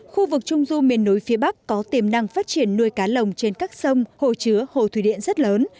khu vực trung du miền núi phía bắc có tiềm năng phát triển nuôi cá lồng trên các sông hồ chứa hồ thủy điện rất lớn